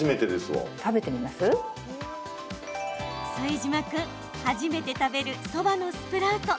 副島君、初めて食べるそばのスプラウト。